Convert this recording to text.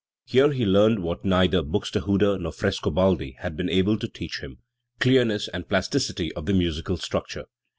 Here he learned what neither Buxtehude nor Frescobaldi had been able to teach him clearness and plasticity of musical structure*.